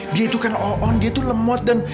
dia itu kan oon dia itu lemot dan